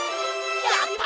やった！